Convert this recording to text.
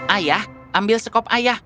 ayah ambil sekop ayah